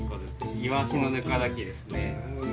イワシのぬか炊きですね。